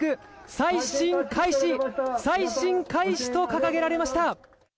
再審開始、再審開始と掲げられました。